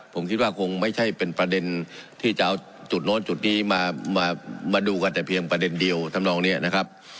ผมคิดว่าคงไม่ใช่เป็นประเด็นที่จะเอาจุดโน้นจุดนี้มาดูกันแต่เพียงประเด็นเดียวทำนองนี้นะครับ